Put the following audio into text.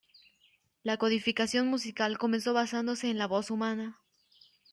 La codificación musical comenzó basándose en la voz humana.